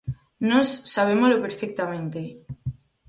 Nós sabémolo perfectamente.